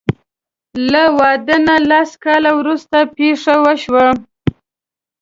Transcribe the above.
له واده نه لس کاله وروسته پېښه وشوه.